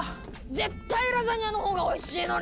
絶対ラザニアの方がおいしいのに！